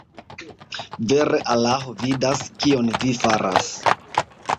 Vere Alaho vidas, kion vi faras.